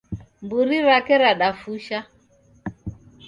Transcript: Mburi rake radafusha.